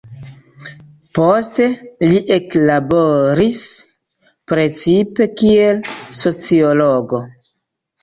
Poste li eklaboris, precipe kiel sociologo.